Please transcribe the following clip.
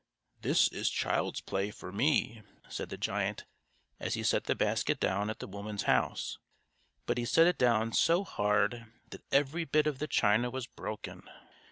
"This is child's play for me," said the giant as he set the basket down at the woman's house, but he set it down so hard that every bit of the china was broken.